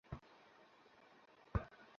সবাই বলাবলি করতে থাকবে।